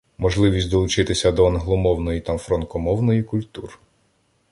Можливість долучитися до англомовної та франкомовної культур